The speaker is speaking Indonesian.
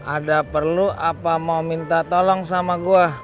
ada perlu apa mau minta tolong sama gue